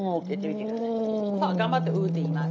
そう頑張って「うー」って言います。